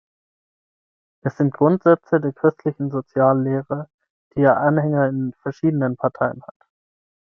Es sind Grundsätze der christlichen Soziallehre, die ja Anhänger in verschiedenen Parteien hat.